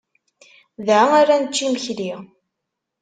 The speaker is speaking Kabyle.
Da ara nečč imekli.